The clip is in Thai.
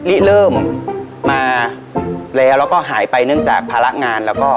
เริ่มมาแล้วแล้วก็หายไปเนื่องจากภาระงานแล้วก็